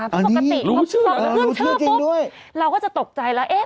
อันนี้รู้ชื่อเหรอรู้ชื่อจริงปุ๊บเราก็จะตกใจแล้ว